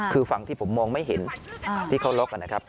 คือฝั่งที่ผมมองไม่เห็นที่เขาล็อกนะครับ